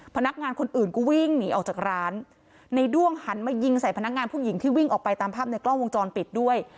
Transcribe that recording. พนักงานคนอื่นก็วิ่งหนีออกจากร้านในด้วงหันมายิงใส่พนักงานผู้หญิงที่วิ่งออกไปตามภาพในกล้องวงจรปิดด้วย